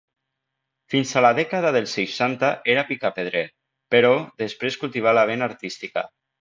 Fins a la dècada dels seixanta era picapedrer, però després cultivà la vena artística.